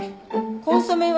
コンソメは？